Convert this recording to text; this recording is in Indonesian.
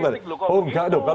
oh enggak dong